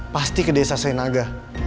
pasti ke desa senaga